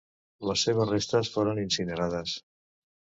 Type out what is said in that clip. Les seves restes foren incinerades.